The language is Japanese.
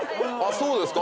そうですか？